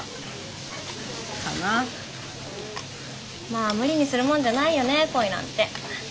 まあ無理にするもんじゃないよね恋なんて。